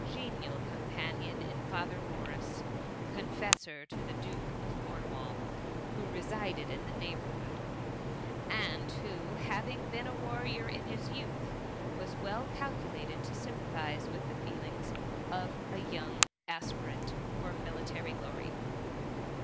genial companion in Father Morris, confiessor to the Duke of Cornwall, who resided in the neigh bourhood ; and who, having been a warrior in bis youth, was well calculated to sympathise with the feelings c^ a young aspirant for mili * iary glory.